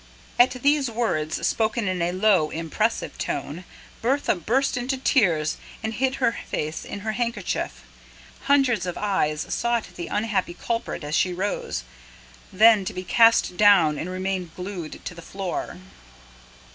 At these words, spoken in a low, impressive tone, Bertha burst into tears and hid her face in her handkerchief. Hundreds of eyes sought the unhappy culprit as she rose, then to be cast down and remain glued to the floor.